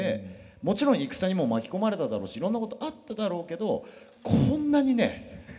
もちろん戦にも巻き込まれただろうしいろんなことあっただろうけどこんなにね